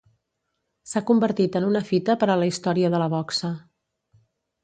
S'ha convertit en una fita per a la història de la boxa.